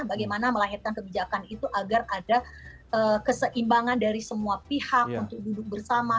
bagaimana melahirkan kebijakan itu agar ada keseimbangan dari semua pihak untuk duduk bersama